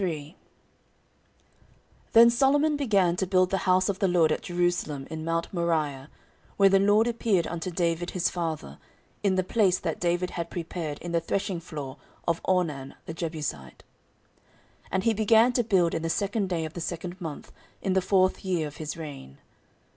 14:003:001 Then Solomon began to build the house of the LORD at Jerusalem in mount Moriah, where the Lord appeared unto David his father, in the place that David had prepared in the threshingfloor of Ornan the Jebusite. 14:003:002 And he began to build in the second day of the second month, in the fourth year of his reign.